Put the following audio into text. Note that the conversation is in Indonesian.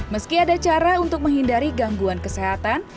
meski ada cara untuk menghindari gangguan kesehatan